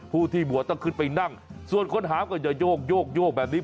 ผู้ที่บวชต้องขึ้นไปนั่งส่วนคนหามก็อย่าโยกแบบนี้